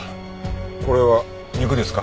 これは肉ですか？